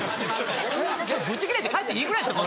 ブチギレて帰っていいぐらいですよ。